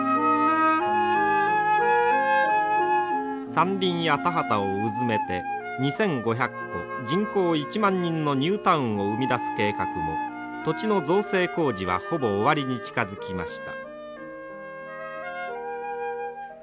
山林や田畑をうずめて２，５００戸人口１万人のニュータウンを生み出す計画も土地の造成工事はほぼ終わりに近づきました。